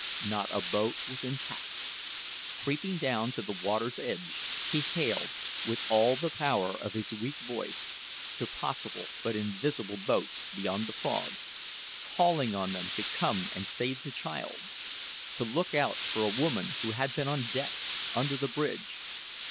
Not a boat was intact. Creeping down to the water's edge, he hailed, with all the power of his weak voice, to possible, but invisible boats beyond the fog calling on them to come and save the child to look out for a woman who had been on deck, under the bridge.